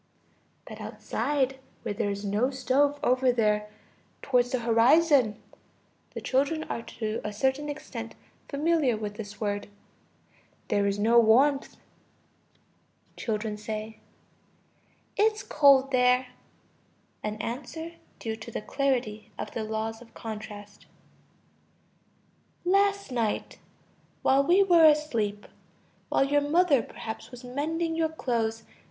But outside, where there is no stove, over there, towards the horizon (the children are to a certain extent familiar with this word), there is no warmth. Children. It's cold there (an answer due to the clarity of the laws of contrast). Last night ... while we were asleep, while your mother perhaps was mending your clothes